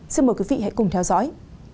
xin mời quý vị hãy cùng theo dõi